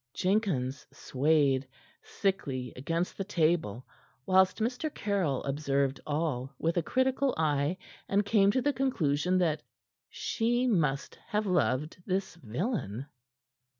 Jenkins swayed, sickly, against the table, whilst Mr. Caryll observed all with a critical eye and came to the conclusion that she must have loved this villain.